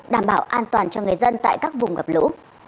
đảm bảo an toàn cho người dân tại các vùng ngập lũ